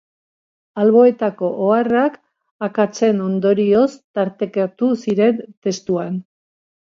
Alboetako oharrak, akatsen ondorioz tartekatu ziren testuan.